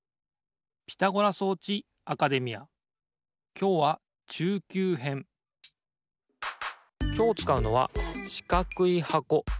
きょうはきょうつかうのはしかくいはこ。